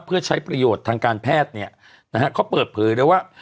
เพื่อใช้ประโยชน์ทางการแพทย์เนี่ยนะฮะเขาเปิดเผยเลยว่า